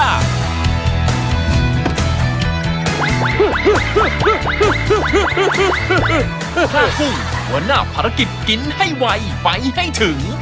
หัวหน้าภารกิจกินให้ไวไปให้ถึง